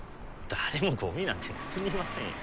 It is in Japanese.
誰もゴミなんて盗みませんよ。